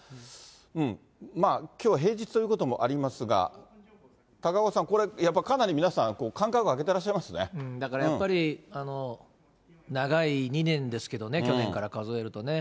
うん、きょうは平日ということもありますが、高岡さん、これ、かなり皆さん、だからやっぱり、長い、２年ですけどね、去年から数えるとね。